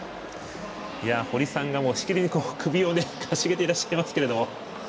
堀さんが、しきりに首を傾げていらっしゃいますけども。